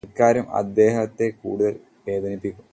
ഇക്കാര്യം അദ്ദേഹത്തെ കൂടുതല് വേദനിപ്പിക്കും